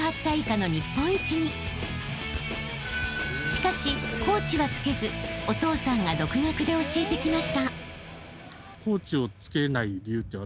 ［しかしコーチはつけずお父さんが独学で教えてきました］